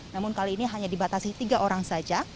namun kali ini hanya dibatasi tiga orang saja